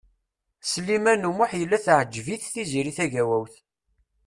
Sliman U Muḥ yella teɛǧeb-it Tiziri Tagawawt.